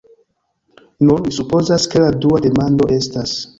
Nun, mi supozas, ke la dua demando estas: